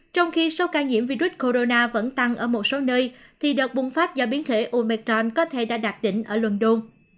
trong khi số ca nhiễm virus corona vẫn tăng ở một số nơi thì đợt bùng phát do biến thể ometron có thể đã đạt đỉnh ở london